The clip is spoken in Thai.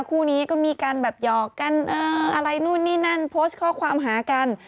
คู่นี้ก็มีการแบบหยอกกันอะไรนู่นนี่นั่นโพสต์ข้อความหากัน